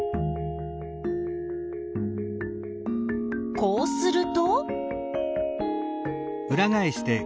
こうすると？